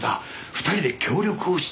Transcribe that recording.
２人で協力をして。